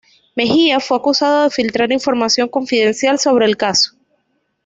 Mejía fue acusado de filtrar información confidencial sobre el caso.